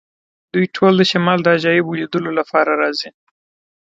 دوی ټول د شمال د عجایبو لیدلو لپاره راځي